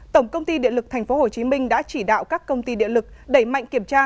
tổng công ty điện lực tp hcm đã chỉ đạo các công ty điện lực đẩy mạnh kiểm tra